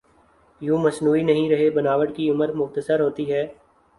یوں مصنوعی نہیں رہیں بناوٹ کی عمر مختصر ہوتی ہے۔